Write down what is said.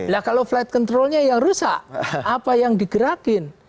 nah kalau flight controlnya yang rusak apa yang digerakin